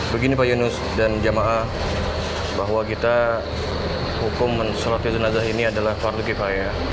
begini pak yunus dan jam'ah bahwa kita hukum mensulati jenazah ini adalah far dukifaya